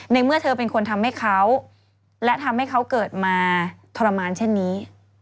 เมื่อเธอเป็นคนทำให้เขาและทำให้เขาเกิดมาทรมานเช่นนี้